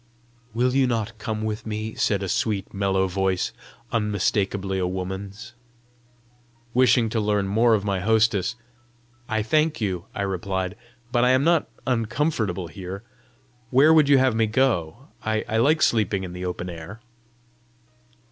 "Will you not come with me?" said a sweet, mellow voice, unmistakably a woman's. Wishing to learn more of my hostess, "I thank you," I replied, "but I am not uncomfortable here. Where would you have me go? I like sleeping in the open air."